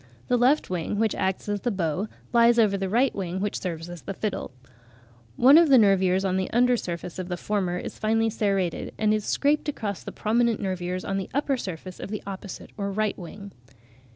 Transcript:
The left wing, which acts as the bow, lies over the right wing which serves as the fiddle. One of the nervures (a) on the under surface of the former is finely serrated, and is scraped across the prominent nervures on the upper surface of the opposite or right wing.